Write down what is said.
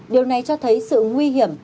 điều này cho thấy sự nguy hiểm